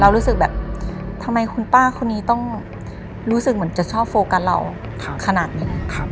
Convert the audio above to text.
รู้สึกแบบทำไมคุณป้าคนนี้ต้องรู้สึกเหมือนจะชอบโฟกัสเราขนาดนี้